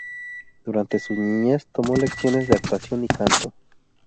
Durante su niñez, tomó lecciones de actuación y canto.